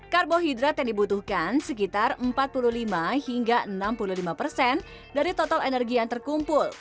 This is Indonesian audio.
karbohidrat yang dibutuhkan sekitar empat puluh lima hingga enam puluh lima persen dari total energi yang terkumpul